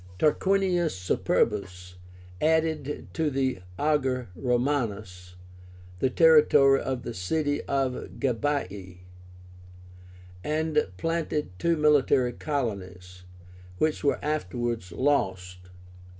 Tarquinius Superbus added to the AGER ROMÁNUS the territory of the city of GABII, and planted two military colonies, which were afterwards lost.